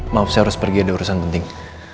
maaf saya harus pergi ada urusan penting